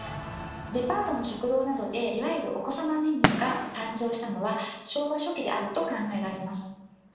デパートの食堂などでいわゆるお子様メニューが誕生したのは昭和初期であると考えられます。